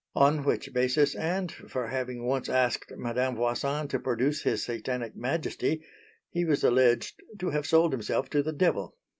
On which basis and for having once asked Madame Voisin to produce his Satanic Majesty, he was alleged to have sold himself to the Devil.